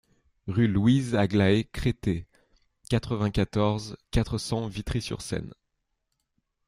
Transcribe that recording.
Rue Louise-Aglaë Cretté, quatre-vingt-quatorze, quatre cents Vitry-sur-Seine